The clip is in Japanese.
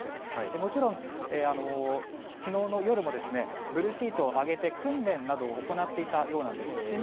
もちろん、昨日の夜もブルーシートを上げて訓練などを行っていたようなんです。